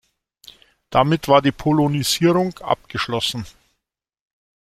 Damit war die Polonisierung abgeschlossen.